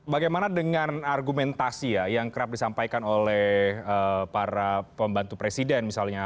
bagaimana dengan argumentasi ya yang kerap disampaikan oleh para pembantu presiden misalnya